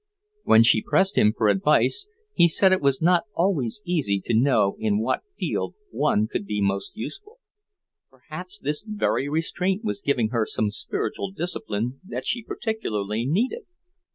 When she pressed him for advice, he said it was not always easy to know in what field one could be most useful; perhaps this very restraint was giving her some spiritual discipline that she particularly needed.